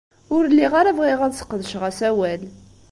Ur lliɣ ara bɣiɣ ad sqedceɣ asawal.